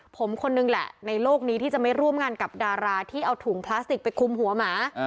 ผมคนนึงแหละในโลกนี้ที่จะไม่ร่วมงานกับดาราที่เอาถุงพลาสติกไปคุมหัวหมา